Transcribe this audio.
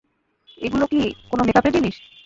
এগুলা কি কোনো মেকাপের জিনিস?